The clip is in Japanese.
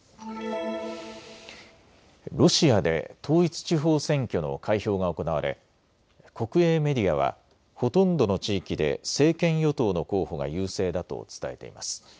ロシアで統一地方選挙の開票が行われ国営メディアはほとんどの地域で政権与党の候補が優勢だと伝えています。